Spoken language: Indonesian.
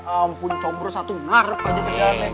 ampun combros satu narep aja kegak